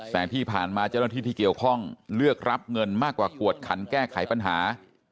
แต่ที่ผ่านมาเจ้าหน้าที่ที่เกี่ยวข้องเลือกรับเงินมากกว่ากวดขันแก้ไขปัญหา